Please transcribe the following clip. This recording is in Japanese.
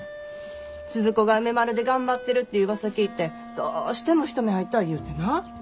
スズ子が梅丸で頑張ってるってうわさ聞いてどうしても一目会いたい言うてな。